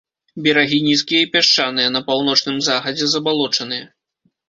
Берагі нізкія і пясчаныя, на паўночным захадзе забалочаныя.